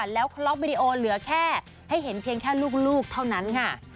แล้วคล็อกวิดีโอเหลือแค่ให้เห็นเพียงแค่ลูกเท่านั้นค่ะ